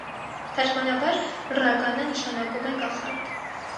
Թարգմանաբար ռագանա նշանակում է «կախարդ»։